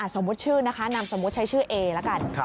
สมมุติชื่อนะคะนามสมมุติใช้ชื่อเอละกัน